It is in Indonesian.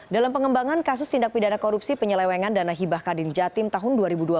dalam pengembangan kasus tindak pidana korupsi penyelewengan dana hibah kadin jatim tahun dua ribu dua puluh